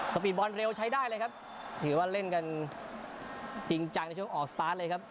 ปีดบอลเร็วใช้ได้เลยครับถือว่าเล่นกันจริงจังในช่วงออกสตาร์ทเลยครับ